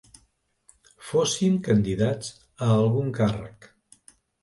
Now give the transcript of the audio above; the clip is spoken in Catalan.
Fóssim candidats a algun càrrec.